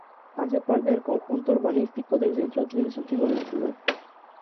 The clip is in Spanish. Hace parte del conjunto urbanístico del centro administrativo de la ciudad.